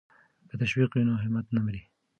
که تشویق وي نو همت نه مري.